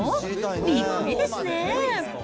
びっくりですね。